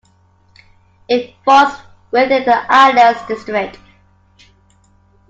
It falls within the Islands District.